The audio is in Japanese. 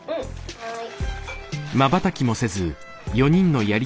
はい。